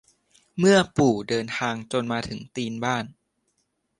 เมื่อปู่เดินทางจนมาถึงตีนบ้าน